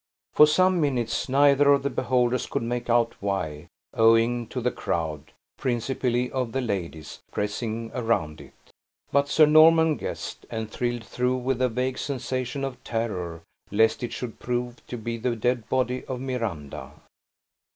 For some minutes, neither of the beholders could make out why, owing to the crowd (principally of the ladies) pressing around it; but Sir Norman guessed, and thrilled through with a vague sensation of terror, lest it should prove to be the dead body of Miranda.